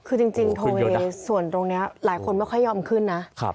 คือจริงโทเวย์ส่วนตรงนี้หลายคนไม่ค่อยยอมขึ้นนะ